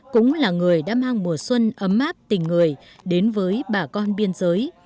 cũng là người đã mang mùa xuân ấm áp tình người đến với bà con biên giới